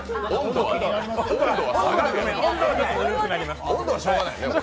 温度はしようがないね。